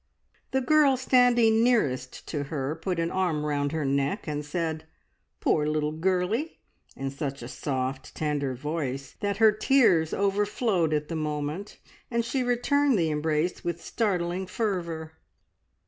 The girl standing nearest to her put an arm round her neck, and said, "Poor little girlie!" in such a soft, tender voice that her tears overflowed at the moment, and she returned the embrace with startling fervour.